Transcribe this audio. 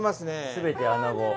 全てアナゴ。